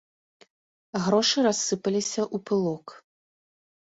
Грошы рассыпаліся ў пылок.